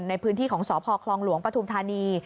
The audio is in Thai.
ในพื้นที่ของสพคลองหลวงปฐุมธานี